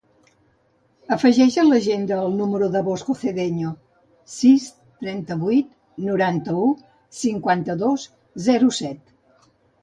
Afegeix a l'agenda el número del Bosco Cedeño: sis, trenta-vuit, noranta-u, cinquanta-dos, zero, set.